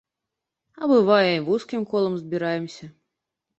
А бывае, і вузкім колам збіраемся.